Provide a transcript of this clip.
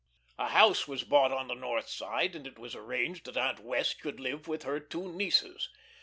A house was bought on the North Side, and it was arranged that Aunt Wess' should live with her two nieces.